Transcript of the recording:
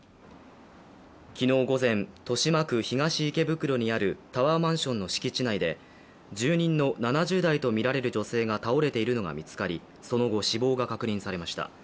昨日午前、豊島区東池袋にあるタワーマンションの敷地内で住人の７０代とみられる女性が倒れているのが見つかりその後、死亡が確認されました。